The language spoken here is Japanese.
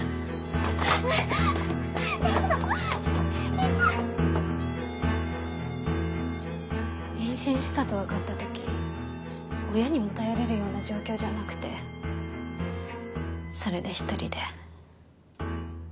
現在妊娠したと分かった時親にも頼れるような状況じゃなくてそれでひとりで。